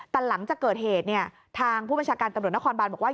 แต่หลังจากเกิดเหตุเนี่ยทางผู้บัญชาการตำรวจนครบานบอกว่า